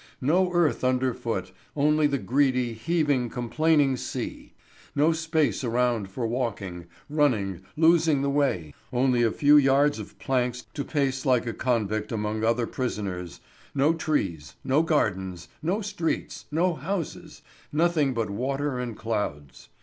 No earth under foot, only the greedy, heaving, complaining sea; no space around for walking, running, losing the way, only a few yards of planks to pace like a convict among other prisoners; no trees, no gardens, no streets, no houses; nothing but water and clouds.